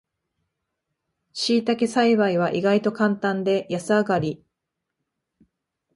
しいたけ栽培は意外とカンタンで安上がり